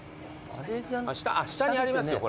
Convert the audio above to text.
下にありますよ